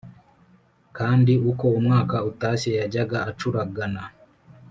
Kandi uko umwaka utashye yajyaga acuragana